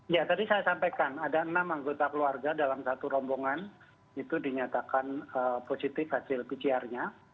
ya tadi saya sampaikan ada enam anggota keluarga dalam satu rombongan itu dinyatakan positif hasil pcr nya